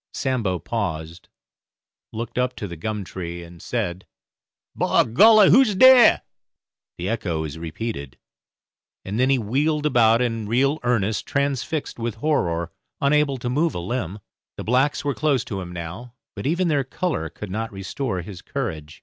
Sambo paused, looked up to the gum tree, and said, "By golly, who's dere?" The echo was repeated, and then he wheeled about in real earnest, transfixed with horror, unable to move a limb. The blacks were close to him now, but even their colour could not restore his courage.